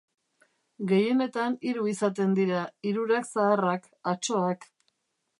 Gehienetan hiru izaten dira, hirurak zaharrak, atsoak.